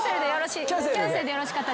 キャンセルでよろしかった？